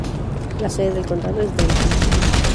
La sede del condado es Delhi.